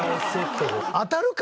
当たるか！